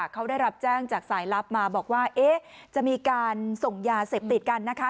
เขาได้รับแจ้งจากสายลับมาบอกว่าเอ๊ะจะมีการส่งยาเสพติดกันนะคะ